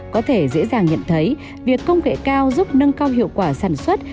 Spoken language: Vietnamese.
có thể dễ dàng nhận thấy việc công nghệ cao giúp nâng cao hiệu quả sản xuất